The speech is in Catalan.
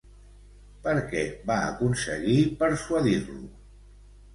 Per què va aconseguir persuadir-lo?